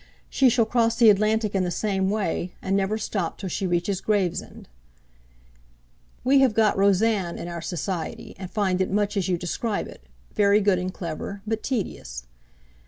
She shall cross the Atlantic in the same way; and never stop till she reaches Gravesend.' 'We have got "Rosanne" in our Society, and find it much as you describe it; very good and clever, but tedious.